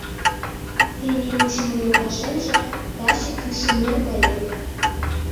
Тений кучымо йолташемже таче кӱшӧ мӧр гае.